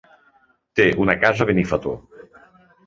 Té una casa a Benifato.